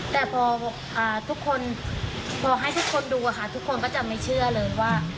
แต่พอทุกคนพอให้ทุกคนดูค่ะทุกคนก็จะไม่เชื่อเลยว่า